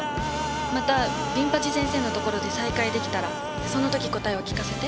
またビン八先生のところで再会できたらその時答えを聞かせて。